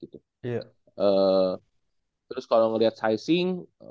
terus kalau ngeliat sizing